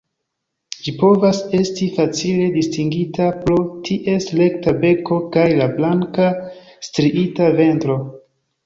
Ĝi povas esti facile distingita pro ties rekta beko kaj la blanka striita ventro.